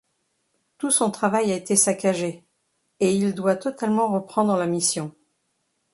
Tout son travail a été saccagé et il doit totalement reprendre la mission.